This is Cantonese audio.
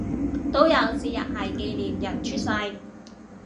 都有節日係紀念人出世